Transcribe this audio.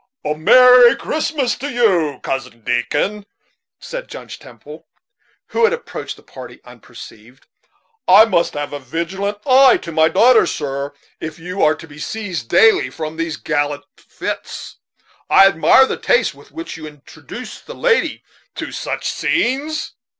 "A merry Christmas to you, Cousin Dickon," said Judge Temple, who had approached the party unperceived: "I must have a vigilant eye to my daughter, sir, if you are to be seized daily with these gallant fits. I admire the taste which would introduce a lady to such scenes!"